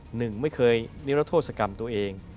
หนึ่งไม่เคยนิรโทษกรรมตัวเอง